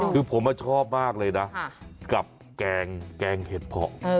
คือผมชอบมากเลยนะกับแกงเห็ดเพาะ